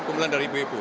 kumpulan dari ibu ibu